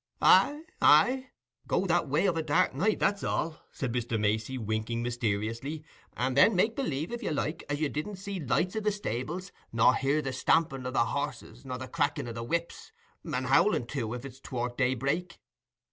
"Aye, aye; go that way of a dark night, that's all," said Mr. Macey, winking mysteriously, "and then make believe, if you like, as you didn't see lights i' the stables, nor hear the stamping o' the hosses, nor the cracking o' the whips, and howling, too, if it's tow'rt daybreak.